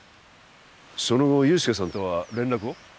その後憂助さんとは連絡を？